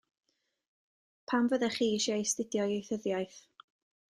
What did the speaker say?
Pam fyddech chi eisiau astudio ieithyddiaeth?